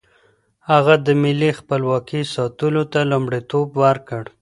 هغه د ملي خپلواکۍ ساتلو ته لومړیتوب ورکړ.